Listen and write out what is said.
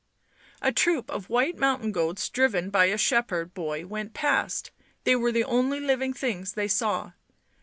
A troop of white mountain goats driven by a shepherd boy went past, they were the only living things they saw.